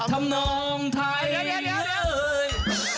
ทำน้องไทยเย้ย